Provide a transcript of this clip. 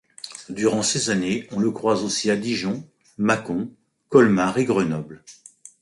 Durant ces années, on le croise aussi à Dijon, Mâcon, Colmar et Grenoble.